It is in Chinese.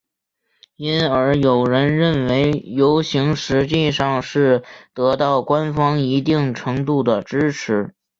因而有人认为游行实际上是得到官方一定程度的支持。